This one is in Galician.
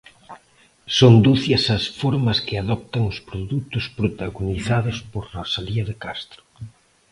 Son ducias as formas que adoptan os produtos protagonizados por Rosalía de Castro.